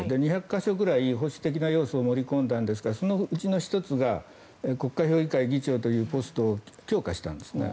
２００か所ぐらい保守的な要素を盛り込んだんですがそのうちの１つが国家評議会議長というポストを強化したんですね。